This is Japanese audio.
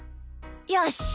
よし。